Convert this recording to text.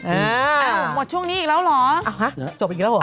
อ้าวหมดช่วงนี้อีกแล้วเหรออ้าวฮะจบอีกแล้วเหรอ